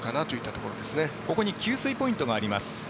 ここに給水ポイントがあります。